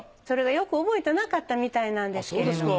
それがよく覚えてなかったみたいなんですけれど。